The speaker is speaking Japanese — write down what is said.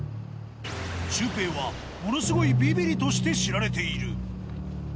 シュウペイは、ものすごいびびりとして知られている。